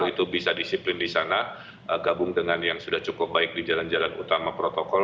itu bisa disiplin di sana gabung dengan yang sudah cukup baik di jalan jalan utama protokol